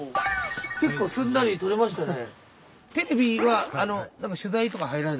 結構すんなり取れましたね。